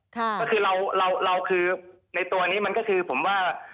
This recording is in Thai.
ก็คือเราคือในตัวนี้มันก็คือผมว่า